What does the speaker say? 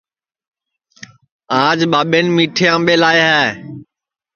آج ٻاٻین میٹھے امٻے لاے ہے